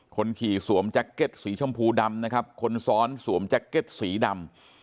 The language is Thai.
คนขี่สวมแจ็คเก็ตสีชมพูดำนะครับคนซ้อนสวมแจ็คเก็ตสีดำ